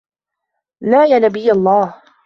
لَا يَا نَبِيَّ اللَّهِ